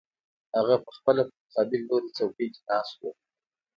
هغه پخپله په مقابل لوري څوکۍ کې ناست و